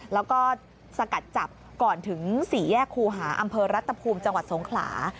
แล้วก็สกัดจับก่อนถึง๔แยกคูหาอำเภอรัตภูมิจังหวัดสงขลา